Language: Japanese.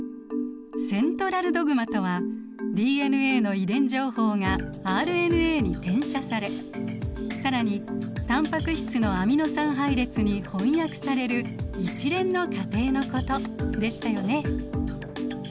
セントラルドグマとはＤＮＡの遺伝情報がＲＮＡに転写され更にタンパク質のアミノ酸配列に翻訳される一連の過程のことでしたよね。